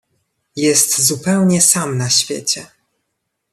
"Jest zupełnie sam na świecie."